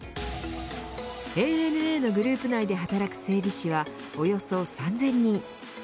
ＡＮＡのグループ内で働く整備士はおよそ３０００人。